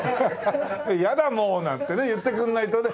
「やだもう」なんてね言ってくんないとね。